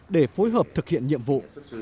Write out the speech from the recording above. để phối hợp thực hiện nhiệm vụ